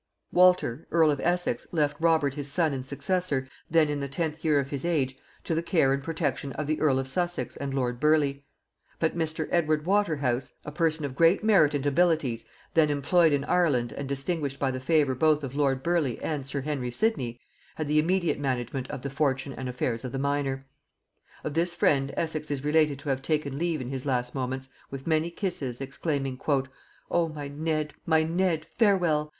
Walter earl of Essex left Robert his son and successor, then in the tenth year of his age, to the care and protection of the earl of Sussex and lord Burleigh; but Mr. Edward Waterhouse, a person of great merit and abilities, then employed in Ireland and distinguished by the favor both of lord Burleigh and sir Henry Sidney, had the immediate management of the fortune and affairs of the minor. Of this friend Essex is related to have taken leave in his last moments with many kisses, exclaiming, "O my Ned, my Ned, farewell!